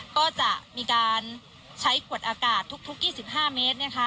ก็จะมีการใช้ขวดอากาศทุก๒๕เมตร